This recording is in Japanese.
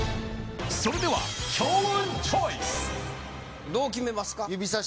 それではどう決めますか？